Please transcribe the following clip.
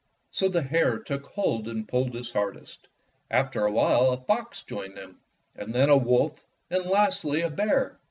So the hare took hold and pulled his hard est. After a while a fox joined them, and then a wolf, and lastly a bear.